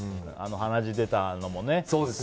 鼻血出たのもね。